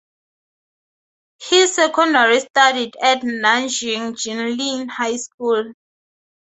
He secondary studied at Nanjing Jinling High School.